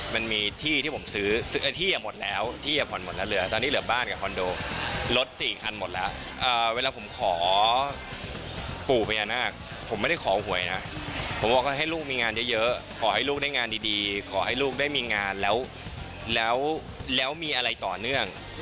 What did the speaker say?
มันมีที่ที่ผมซื้อไอ้ที่หมดแล้วที่จะผ่อนหมดแล้วเหลือตอนนี้เหลือบ้านกับคอนโดรถ๔คันหมดแล้วเวลาผมขอปู่พญานาคผมไม่ได้ขอหวยนะผมบอกว่าให้ลูกมีงานเยอะขอให้ลูกได้งานดีขอให้ลูกได้มีงานแล้วแล้วมีอะไรต่อเนื่อง